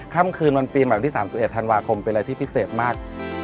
ค่ำคืนวันปีใหม่วันที่๓๑ธันวาคมเป็นอะไรที่พิเศษมาก